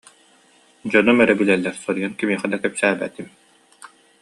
Дьонум эрэ билэллэр, соруйан кимиэхэ да кэпсээбэтим